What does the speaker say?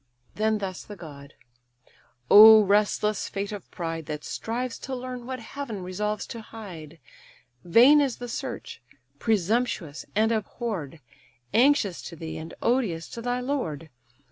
Then thus the god: "O restless fate of pride, That strives to learn what heaven resolves to hide; Vain is the search, presumptuous and abhorr'd, Anxious to thee, and odious to thy lord.